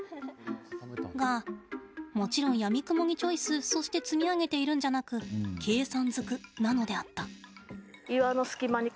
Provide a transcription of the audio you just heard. がもちろんやみくもにチョイスそして積み上げているんじゃなく計算ずくなのであった。